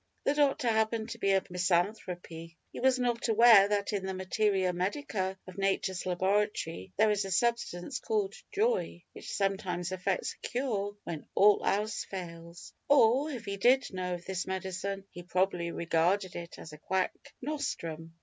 The doctor happened to be a misanthrope. He was not aware that in the Materia Medica of Nature's laboratory there is a substance called "joy," which sometimes effects a cure when all else fails or, if he did know of this medicine, he probably regarded it as a quack nostrum.